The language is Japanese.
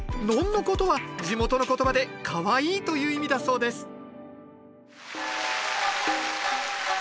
「のんのこ」とは地元の言葉で「かわいい」という意味だそうです